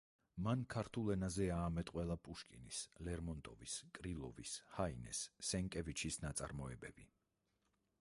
მან ქართულ ენაზე აამეტყველა პუშკინის, ლერმონტოვის, კრილოვის, ჰაინეს, სენკევიჩის ნაწარმოებები.